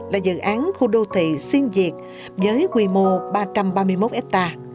là dự án khu đô thị xiên diệt với quy mô ba trăm ba mươi một hectare